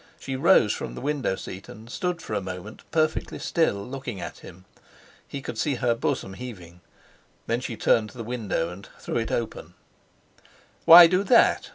She rose from the window seat, and stood for a moment perfectly still, looking at him. He could see her bosom heaving. Then she turned to the window and threw it open. "Why do that?"